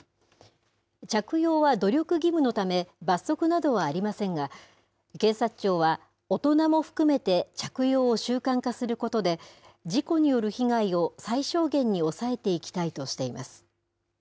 着用は努力義務のため、罰則などはありませんが、警察庁は、大人も含めて着用を習慣化することで、事故による被害を最小限に抑えていきたいとしています。